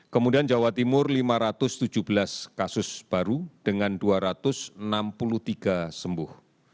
kemudian jawa timur lima ratus tujuh belas kasus baru dengan dua ratus enam puluh tiga sembuh